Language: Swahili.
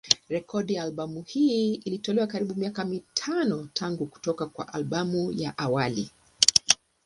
Rekodi ya albamu hii ilitolewa karibuni miaka mitano tangu kutoka kwa albamu ya awali.